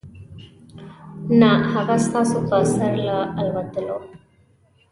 نه هغه ستاسو په سر له الوتلو .